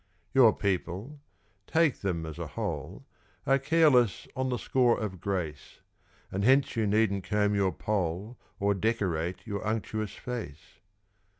Your people take them as a whole Are careless on the score of grace; And hence you needn't comb your poll Or decorate your unctuous face.